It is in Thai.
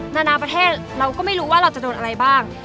นานาประเทศเราก็ไม่รู้ว่าเราจะโดนอะไรบ้าง